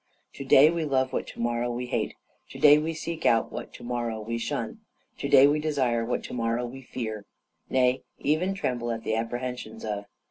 To day we love what to morrow we hate; to day we seek what to morrow we shun; to day we desire what to morrow we fear, nay, even tremble at the apprehensions of.